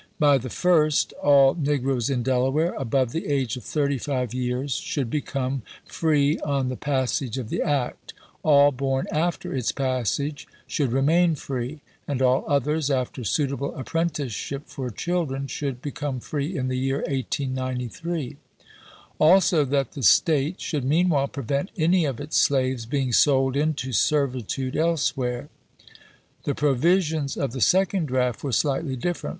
By the first, all negroes in Delaware, above the age of thirty five years, should become COMPENSATED ABOLISHMENT 207 free on the passage of the act; all born after its chap. xii. passage should remain free; and all others, after suitable apprenticeship for children, should be come free in the year 1893; also, that the State should meanwhile prevent any of its slaves being sold into servitude elsewhere. The provisions of ms. the second draft were slightly different.